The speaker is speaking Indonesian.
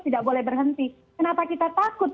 tidak boleh berhenti kenapa kita takut